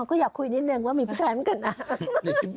ก็อยากคุยนิดนึงว่ามีผู้ชายเหมือนกันนะ